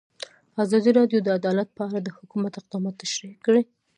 ازادي راډیو د عدالت په اړه د حکومت اقدامات تشریح کړي.